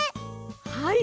はい！